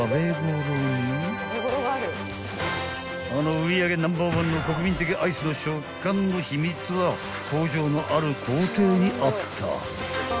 ［あの売り上げナンバーワンの国民的アイスの食感の秘密は工場のある工程にあった？］